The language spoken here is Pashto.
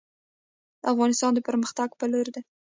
افغانستان د پرمختګ په لور دی